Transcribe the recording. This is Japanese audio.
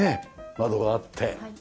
窓があって。